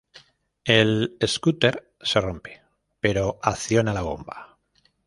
El scooter se rompe, pero acciona la bomba.